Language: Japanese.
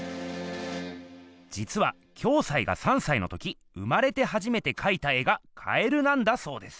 じつは暁斎が３さいのとき生まれてはじめてかいた絵が蛙なんだそうです。